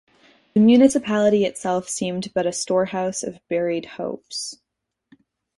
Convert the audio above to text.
The municipality itself seemed but a storehouse of buried hopes.